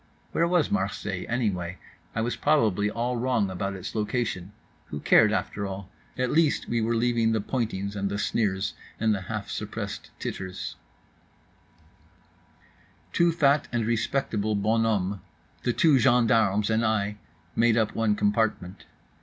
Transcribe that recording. Where was Marseilles anyway? I was probably all wrong about its location. Who cared, after all? At least we were leaving the pointings and the sneers and the half suppressed titters…. Two fat and respectable bonhommes, the two gendarmes, and I, made up one compartment.